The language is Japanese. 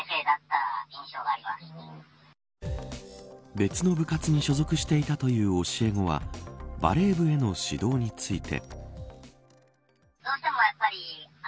別の部活に所属していたという教え子はバレー部への指導について。